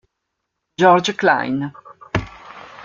George Kleine